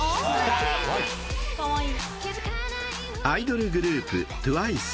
［アイドルグループ］